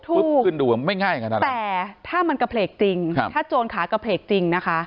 ปุ๊บขึ้นดูไม่ง่ายขนาดนั้นแต่ถ้ามันกระเพลกจริงถ้าโจรขากระเพลกจริงนะคะ